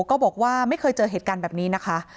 ก็บอกว่าไม่เคยเจอเหตุการณ์แบบนี้นะคะ